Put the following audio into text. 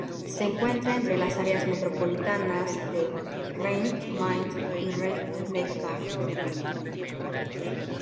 Se encuentra entre las áreas metropolitanas de Rhein-Main y Rhein-Neckar.